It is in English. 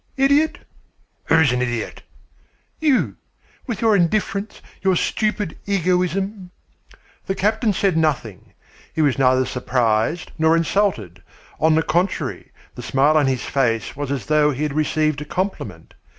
"Idiot!" "Who's an idiot?" "You, with your indifference, your stupid egoism." The captain said nothing. He was neither surprised nor insulted. On the contrary, the smile on his face was as though he had received a compliment.